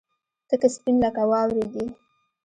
تک سپين لکه واورې دي.